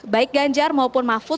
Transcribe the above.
baik ganjar maupun mahfud